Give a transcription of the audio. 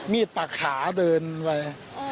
ดปากขาเดินไป